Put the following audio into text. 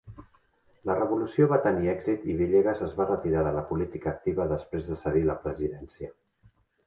La revolució va tenir èxit i Villegas es va retirar de la política activa després de cedir la presidència.